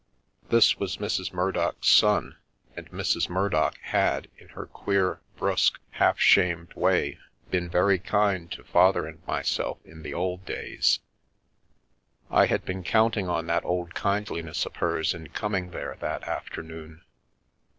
This was Mrs. Murdock's son, and Mrs. Murdock had, in her queer, brusque, half shamed way, been very kind to Father and myself in the old days. I had been count ing on that old kindliness of hers in coming there that afternoon.